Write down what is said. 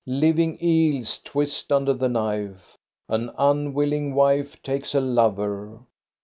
"Living eels twist under the knife; an unwilling wife takes a lover.